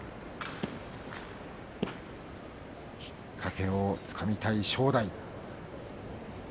きっかけをつかみたい正代。